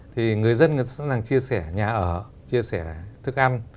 thì người dân người ta vẫn đang chia sẻ nhà ở chia sẻ thức ăn